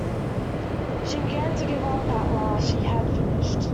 She began to give up at last; she had finished.